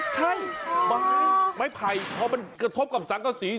ใช่มันไม่ไผ่เพราะมันกระทบกับสังขสี